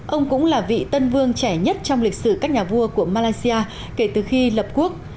ông cũng là vị tân vương trẻ nhất trong lịch sử các nhà vua của malaysia kể từ khi lập quốc